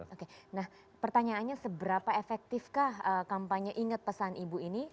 oke nah pertanyaannya seberapa efektifkah kampanye ingat pesan ibu ini